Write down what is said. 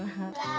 selamat malam pak